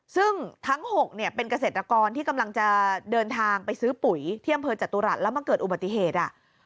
ซึ่งทั้ง๖เนี่ยเป็นเกษตรกรที่กำลังจะเดินทางไปซื้อปุ๋ยที่อำเภอจตุรัสแล้วมาเกิดอุบัติเหตุ